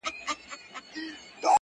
خرڅوم به یې شیدې مستې ارزاني -